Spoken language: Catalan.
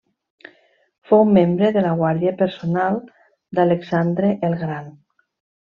Fou membre de la guàrdia personal d'Alexandre el Gran.